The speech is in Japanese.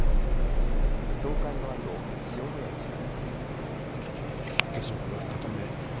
総会のあと塩谷氏は。